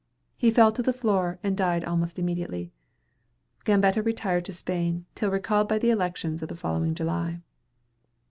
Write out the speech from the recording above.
He fell to the floor, and died almost immediately. Gambetta retired to Spain, till recalled by the elections of the following July.